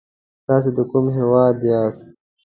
تاسې د کوم هيواد ياست؟